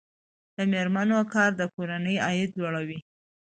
د میرمنو کار د کورنۍ عاید لوړوي.